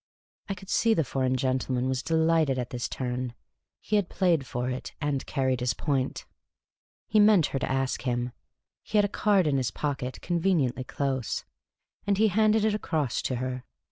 ' I could see the foreign gentleman was delighted at this turn. He had played for it, and carried his point. He meant her to ask him. He had a card in his pocket, con veniently close ; and he handed it across to her.